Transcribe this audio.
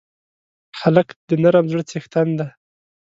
هلک د نرم زړه څښتن دی.